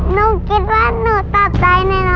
หนูคิดว่าหนูตอบใจในร้อน